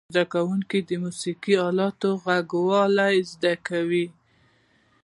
زده کوونکو د موسیقي د آلو غږول زده کول.